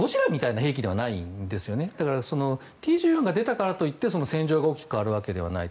Ｔ１４が出たからといって戦場が大きく変わるわけではないと。